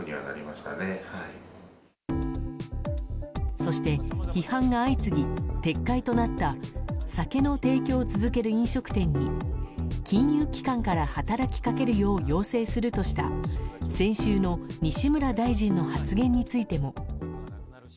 そして批判が相次ぎ撤回となった酒の提供を続ける飲食店に金融機関から働きかけるよう要請するとした先週の西村大臣の発言についても。